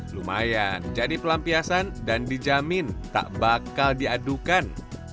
lumayan jadi pelampiasan dan dijamin tak bakal diadukan